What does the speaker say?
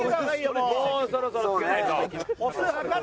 もうそろそろつけないと。